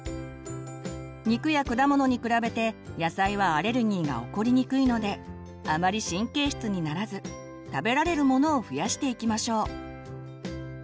肉や果物に比べて野菜はアレルギーが起こりにくいのであまり神経質にならず食べられるものを増やしていきましょう。